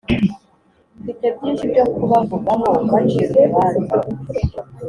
Mfite byinshi byo kubavugaho mbacira urubanza